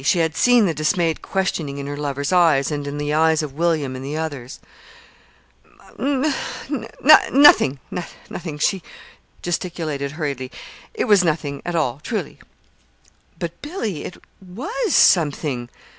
She had seen the dismayed questioning in her lover's eyes, and in the eyes of William and the others. "N nothing," she gesticulated hurriedly. "It was nothing at all, truly." "But, Billy, it was something."